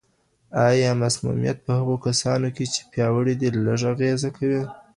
آیا مسمومیت په هغو کسانو کې چې پیاوړي دي، لږ اغېزه کوي؟